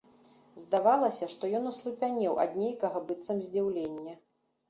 Здавалася, што ён аслупянеў ад нейкага быццам здзіўлення.